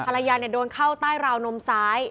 ภรรยาโดนเข้าใต้ราวนมซ้าย